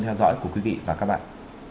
theo dõi của quý vị và các bạn